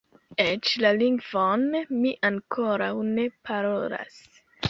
Eĉ la lingvon mi ankoraŭ ne parolas.